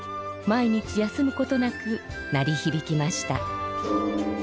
毎日休むことなく鳴りひびきました。